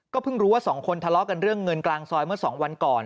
เพิ่งรู้ว่าสองคนทะเลาะกันเรื่องเงินกลางซอยเมื่อ๒วันก่อน